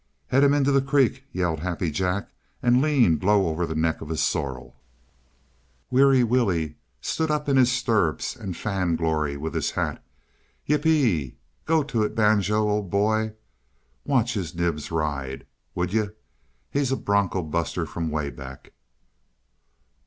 "Head him into the creek," yelled Happy Jack, and leaned low over the neck of his sorrel. Weary Willie stood up in his stirrups and fanned Glory with his hat. "Yip, yee e e! Go to it, Banjo, old boy! Watch his nibs ride, would yuh? He's a broncho buster from away back."